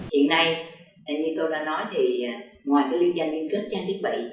hiện nay như tôi đã nói thì ngoài liên doanh liên kết trang thiết bị